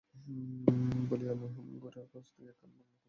বলিয়া মহিম গোরার হাতে একখানা বাংলা খবরের কাগজ দিলেন।